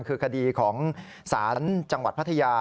คือคดีของศาลจังหวัดพัทยา